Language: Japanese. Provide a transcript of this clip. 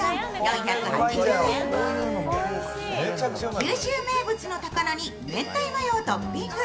九州名物の高菜に明太マヨをトッピング。